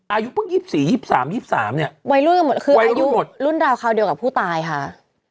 อายุเพิ่ง๒๔๒๓๒๓เนี่ยวัยรุ่นก็หมดคืออายุรุ่นราวคราวเดียวกับผู้ตายค่ะ